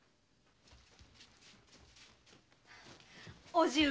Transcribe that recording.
叔父上。